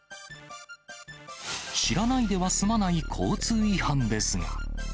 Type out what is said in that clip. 知らないでは済まない交通違反ですが。